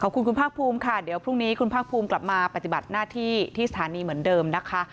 ขอบคุณคุณภาคภูมิค่ะเดี๋ยวพรุ่งนี้คุณภาคภูมิกลับมาปฏิบัติหน้าที่ที่สถานีเหมือนเดิมนะคะ